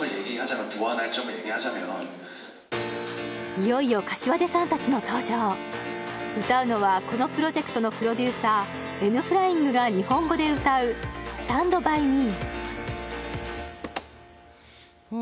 いよいよ膳さん達の登場歌うのはこのプロジェクトのプロデューサーＮ．Ｆｌｙｉｎｇが日本語で歌う「ＳｔａｎｄＢｙＭｅ」